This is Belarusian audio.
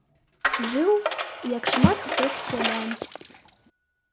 Жыў, як шмат хто з сялян.